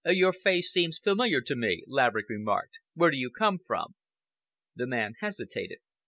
"Your face seems familiar to me," Laverick remarked. "Where do you come from?" The man hesitated.